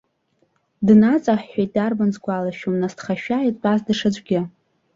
Днаҵаҳәҳәеит, дарбан сгәалашәом, насҭхашәа итәаз даҽаӡәгьы.